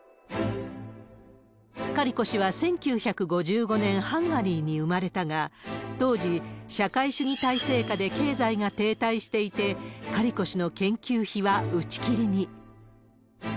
カリコ氏は１９５５年、ハンガリーに生まれたが、当時、社会主義体制下で経済が停滞していて、カリコ氏の研究費は打ち切りに。